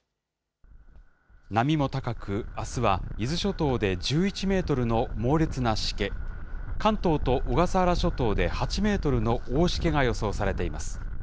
波も高く、あすは伊豆諸島で１１メートルの猛烈なしけ、関東と小笠原諸島で８メートルの大しけが予想されています。